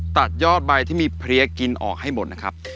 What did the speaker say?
ตัดยอดใบที่มีเพลียกินออกให้หมดนะครับ